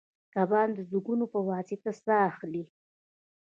کبان د زګونو په واسطه ساه اخلي